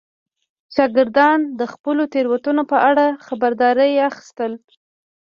شاګردان د خپلو تېروتنو په اړه خبرداری اخیستل.